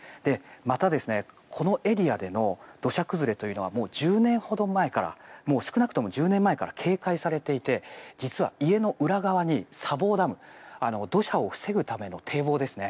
また、このエリアでの土砂崩れというのはもう１０年ほど前から少なくとも１０年前から警戒されていて実は、家の裏側に砂防ダム土砂を防ぐための堤防ですね